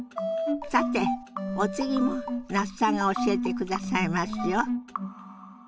さてお次も那須さんが教えてくださいますよ。